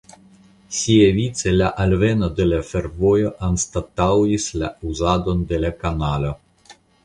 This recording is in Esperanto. Siavice la alveno de la fervojo anstataŭis la uzadon de la kanalo.